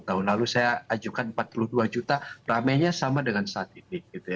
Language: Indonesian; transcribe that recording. tahun lalu saya ajukan empat puluh dua juta ramainya sama dengan saat ini